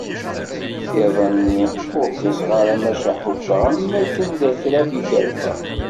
Iḍ-nni, ur ṭṭiseɣ ara maca ḥulfaɣ am wakken d akraf i kerfeɣ.